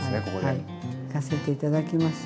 いかせていただきます。